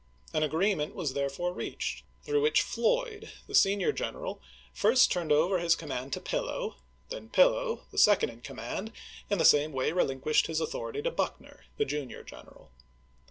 An agreement was therefore reached, through which Floyd, the senior general, first turned over his command to Pillow ; then Pil low, the second in command, in the same way re linquished his authority to Buckner, the junior general.